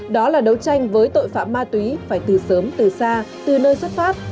đó là đấu tranh với tội phạm ma túy phải từ sớm từ xa từ nơi xuất phát